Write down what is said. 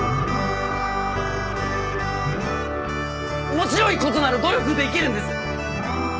面白いことなら努力できるんです！